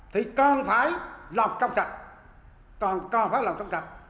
thì còn phải làm trong sạch còn phải làm trong sạch